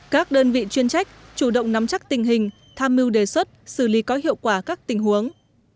các đơn vị chuyên trách chủ động nắm chắc tình hình tham mưu đề xuất xử lý có hiệu quả các tình huống